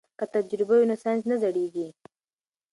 که تجربه وي نو ساینس نه زړیږي.